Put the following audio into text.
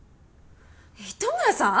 糸村さん！？